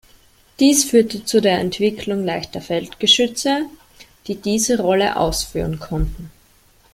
Dies führte zu der Entwicklung leichter Feldgeschütze, die diese Rolle ausführen konnten.